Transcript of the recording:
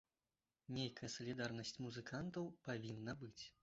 Нейкая салідарнасць музыкантаў павінна быць.